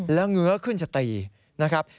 แล้วเงื้อขึ้นจะตีนะครับ